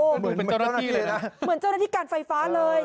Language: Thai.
เหมือนเจ้าหน้าที่เลยนะเหมือนเจ้าหน้าที่การไฟฟ้าเลย